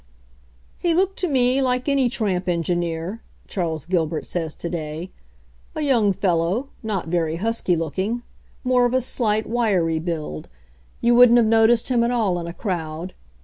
"He looked to me like any tramp engineer," Charles Gilbert says to day. "A young fellow, not very husky looking — more of a slight, wiry build. You wouldn't have noticed him at all in a crowd.